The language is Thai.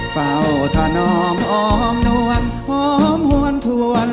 เฝ้าถนอมออมนวลหอมหวนถวน